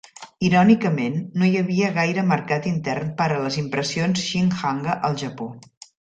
Irònicament, no hi havia gaire mercat intern per a les impressions "shin-hanga" al Japó.